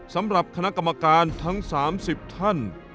สำหรับคณะกรรมการทั้ง๓๐ท่าน